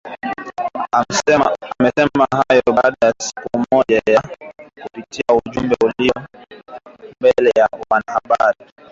Amesema hayo siku moja baada ya Tedros kupitia ujumbe uliojawa na hisia nyingi mbele ya wanahabari